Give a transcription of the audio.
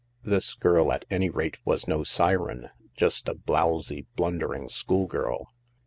This girl at any rate was no siren— just a blowsy, blundering schoolgirl.